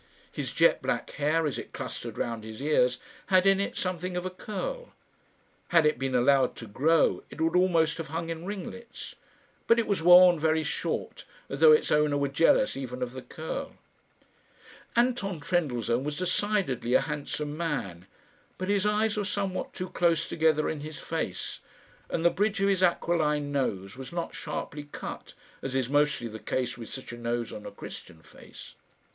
His jet black hair, as it clustered round his ears, had in it something of a curl. Had it been allowed to grow, it would almost have hung in ringlets; but it was worn very short, as though its owner were jealous even of the curl. Anton Trendellsohn was decidedly a handsome man; but his eyes were somewhat too close together in his face, and the bridge of his aquiline nose was not sharply cut, as is mostly the case with such a nose on a Christian face.